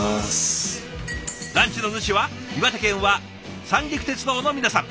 ランチの主は岩手県は三陸鉄道の皆さん。